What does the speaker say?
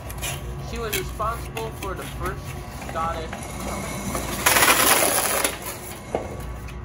She was responsible for the first Scottish Health Plan.